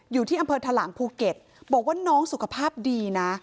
อยู่ที่อำเภอถลางภูเก็ตบอกว่าน้องสุขภาพดีนะ